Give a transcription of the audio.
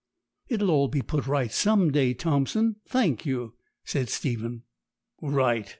'It'll all be put right some day, Thompson, thank you,' said Stephen. 'Right!'